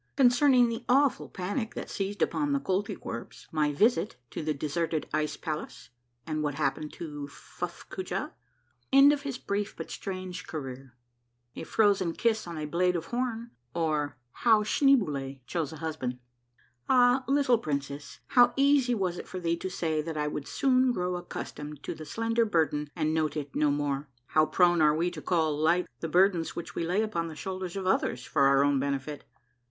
— CONCERNING THE AWFUL PANIC THAT SEIZED UPON THE KOLTYKWERPS. — MY VISIT TO THE DESERTED ICE PALACE, AND WHAT HAPPENED TO FUFF COOJAH. — END OF HIS BRIEF BUT STRANGE CAREER. — A FROZEN KISS ON A BLADE OF HORN, OR HOW SCHNEEBOULE CHOSE A HUSBAND. Ah, little princess, how easy was it for thee to say that I would soon grow accustomed to the slender burden and note it no more ? How prone are we to call light the burdens which we lay upon the shoulders of others for our own benefit?